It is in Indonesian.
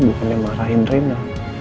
bukannya marahin rena